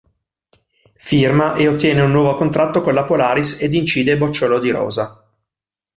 Firma e ottiene un nuovo contratto con la Polaris ed incide "Bocciolo di rosa".